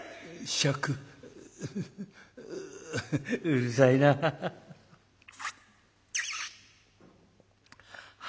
「うるさいなあ」。